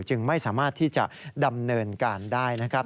จึงไม่สามารถที่จะดำเนินการได้นะครับ